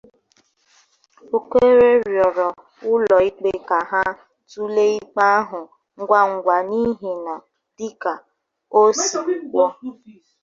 Okere rịọrọ ụlọikpe ka ha tụlee ikpe ahụ ngwangwa n’ihi na dịka o siri kwuo